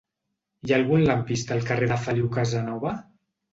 Hi ha algun lampista al carrer de Feliu Casanova?